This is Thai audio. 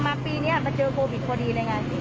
ปีนี้มาเจอโควิดพอดีเลยไง